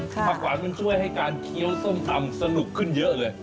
ผักหวานมันช่วยให้การเคี้ยวส้มตำสนุกขึ้นเยอะเลย